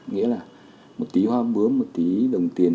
nghĩa là một tí hoa bướm một tí đồng tiền